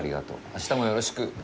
あしたもよろしく！